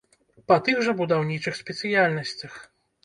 Па тых жа будаўнічых спецыяльнасцях.